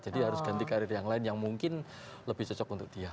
jadi harus ganti karir yang lain yang mungkin lebih cocok untuk dia